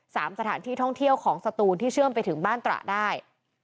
สถานที่ท่องเที่ยวของสตูนที่เชื่อมไปถึงบ้านตระได้